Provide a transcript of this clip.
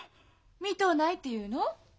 見とうないっていうの？